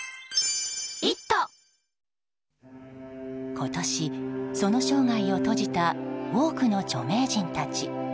今年、その生涯を閉じた多くの著名人たち。